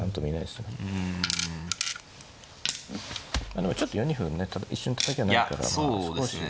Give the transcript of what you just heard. でもちょっと４二歩ね一瞬たたきはないからまあ少しええ。